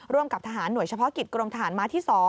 กับทหารหน่วยเฉพาะกิจกรมทหารม้าที่๒